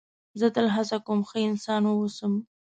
زه تل هڅه کوم ښه انسان و اوسم.